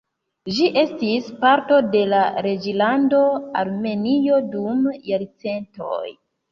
Ĝi estis parto de la Reĝlando Armenio dum jarcentoj.